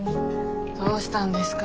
どうしたんですか？